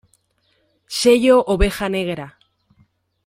Sello Oveja Negra.